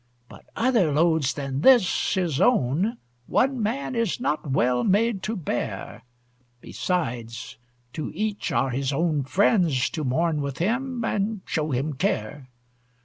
But other loads than this his own One man is not well made to bear. Besides, to each are his own friends, To mourn with him, and show him care.